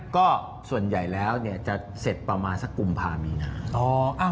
ก็ส่วนใหญ่แล้วจะเสร็จประมาณสักกุมภามีนา